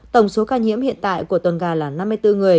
tổng số ca nhiễm hiện tại của tuần gà là năm mươi bốn người